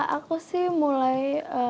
aku sih mulai